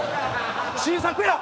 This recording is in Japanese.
新作や！